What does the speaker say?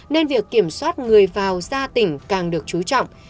nên việc kiểm soát người vào ra tỉnh càng được chú trọng